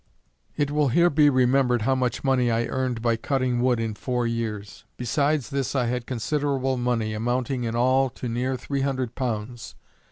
It will here be remembered how much money I earned by cutting wood in four years. Besides this I had considerable money, amounting in all to near three hundred pounds.